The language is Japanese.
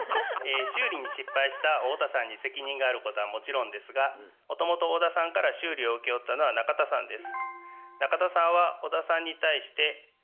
修理に失敗した太田さんに責任があることはもちろんですがもともと小田さんから修理を請け負ったのは中田さんです。